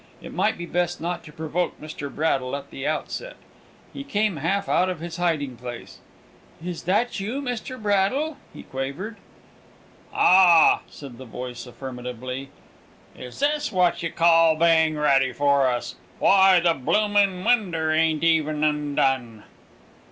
It might be best not to provoke Mr. Braddle at the outset. He came half out of his hiding place. "Is that you, Mr. Braddle?" he quavered. "Ah!" said the voice, affirmatively. "Is this what you call being ready for us? Why, the bloomin' winder ain't even undone!"